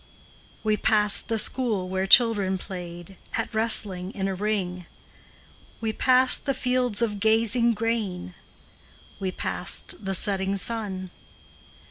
We passed the school where children played, Their lessons scarcely done; We passed the fields of gazing grain, We passed the setting sun.